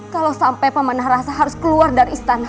kalau sampai pamanah rasa harus keluar dari istanaku